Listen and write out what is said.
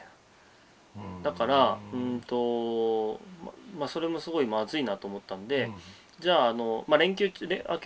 だからそれもすごいまずいなと思ったんでじゃあ連休明け？